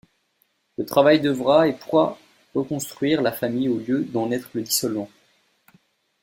Le travail devra et pourra reconstruire la famille au lieu d'en être le dissolvant.